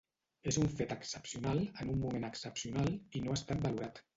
És un fet excepcional en un moment excepcional i no ha estat valorat.